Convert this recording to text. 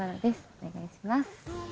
お願いします。